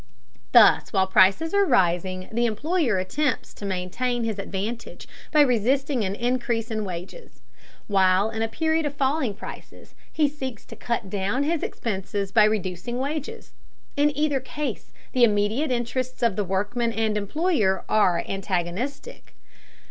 Thus while prices are rising the employer attempts to maintain his advantage by resisting an increase in wages, while in a period of falling prices he seeks to cut down his expenses by reducing wages. In either case the immediate interests of workmen and employer are antagonistic.